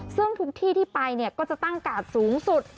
ซึ่งทุกที่ที่ไปก็จะตั้งกาดสูงสุด